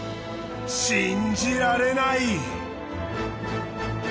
信じられない。